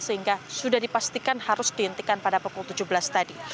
sehingga sudah dipastikan harus dihentikan pada pukul tujuh belas tadi